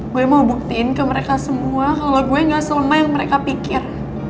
gue mau buktiin ke mereka semua kalau gue gak selemah yang mereka pikir